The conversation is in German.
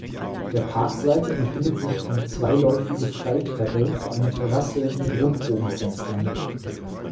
Auf der Parkseite befindet sich eine zweiläufige Freitreppe zu einer Terrasse mit Rundbogenfenstern.